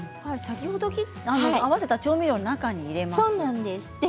先ほど合わせた調味料の中に入れます。